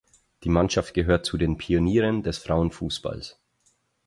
Die Mannschaft gehört zu den Pionieren des Frauenfußballs.